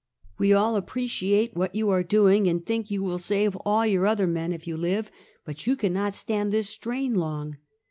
We all appre ciate what you are doing, and think you will save all your other men if you live, but you cannot stand this strain long.